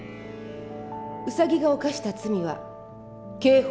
ウサギが犯した罪は刑法